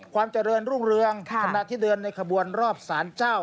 ความเจริญรุ่งเรืองขณะที่เดินในขบวนรอบสารเจ้า